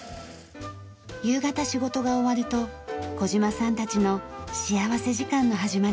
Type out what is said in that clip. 夕方仕事が終わると児島さんたちの幸福時間の始まりです。